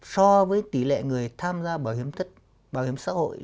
so với tỉ lệ người tham gia bảo hiểm xã hội